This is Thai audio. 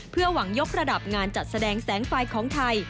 เพื่อหวังยกระดับงานจัดแสดงแสงไฟของไทย